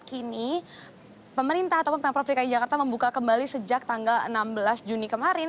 kini pemerintah atau pemerintah pemerintah jakarta membuka kembali sejak tanggal enam belas juni kemarin